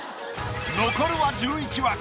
残るは１１枠。